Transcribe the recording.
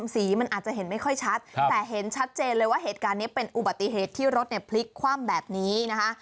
สีมันอาจจะเห็นไม่ค่อยชัดแต่เห็นชัดเจนเลยว่าเหตุการณ์นี้เป็นอุบัติเหตุที่รถเนี่ยพลิกคว่ำแบบนี้นะคะ